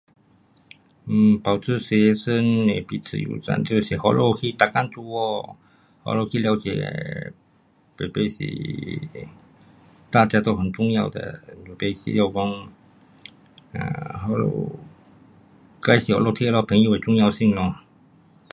um 保持学生的彼此友善，就是给他们去每天在合，给他们去了解排排是大家都很重要的。排排需要讲，um 那里介绍他们听咯朋友的重要性咯。